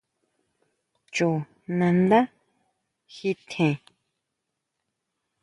Chú nandá ji tjen.